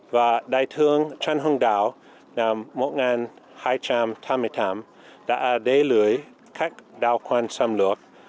và đại thương trần hưng đảo năm một nghìn hai trăm ba mươi tám đã đế lưới các đạo quan xâm lược